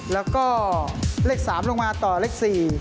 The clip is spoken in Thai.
แล้วก็เลข๓ลงมาต่อเลข๔